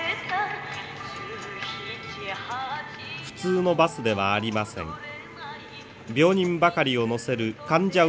普通のバスではありません。